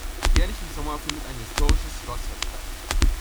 Jährlich im Sommer findet ein historisches Schlossfest statt.